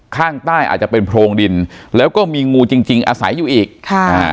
ข้างใต้อาจจะเป็นโพรงดินแล้วก็มีงูจริงอาศัยอยู่อีก